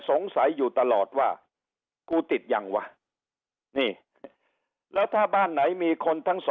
สงสัยอยู่ตลอดว่ากูติดยังวะนี่แล้วถ้าบ้านไหนมีคนทั้งสอง